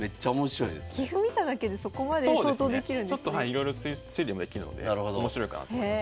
いろいろ推理もできるので面白いかなと思います。